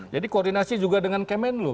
jadi koordinasi juga dengan kemenlu